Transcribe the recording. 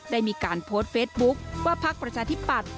ได้มีการโพสต์เฟซบุ๊คว่าพักประชาธิปัตย